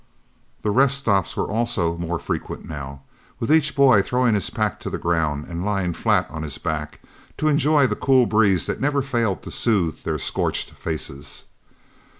The rest stops also were more frequent now, with each boy throwing his pack to the ground and lying flat on his back, to enjoy the cool breeze that never failed to soothe their scorched faces.